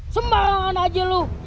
semarangan aja lu